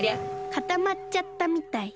かたまっちゃったみたい。